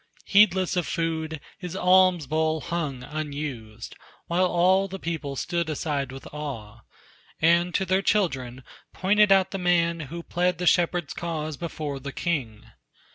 Heedless of food, his alms bowl hung unused. While all the people stood aside with awe, And to their children pointed out the man Who plead the shepherd's cause before the king.